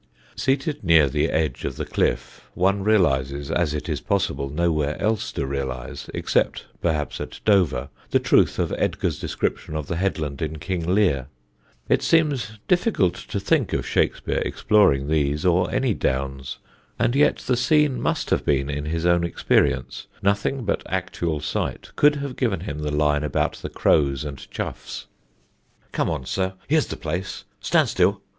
Seated near the edge of the cliff one realises, as it is possible nowhere else to realise, except perhaps at Dover, the truth of Edgar's description of the headland in King Lear. It seems difficult to think of Shakespeare exploring these or any Downs, and yet the scene must have been in his own experience; nothing but actual sight could have given him the line about the crows and choughs: Come on, sir; here's the place: stand still.